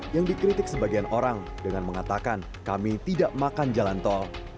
yang dikritik sebagian orang dengan mengatakan kami tidak makan jalan tol